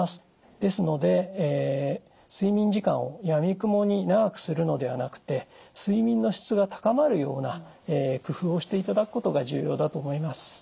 ですので睡眠時間をやみくもに長くするのではなくて睡眠の質が高まるような工夫をしていただくことが重要だと思います。